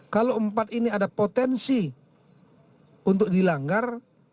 kalau empat ini ada potensi untuk dilanggar